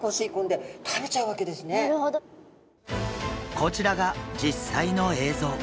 こちらが実際の映像。